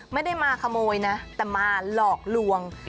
ไม่ได้มาขโมยนะแต่มาหลอกลวง